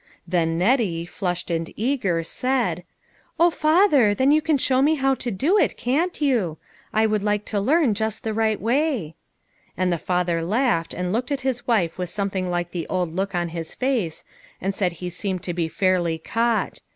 Then Nettie, flushed and eager, said :" O father, then you can show me how to do it, can't you? I would like to learn just the right way." And the father laughed, and looked at his wife with something like the old look on his face, and said he seemed to be fairly caught.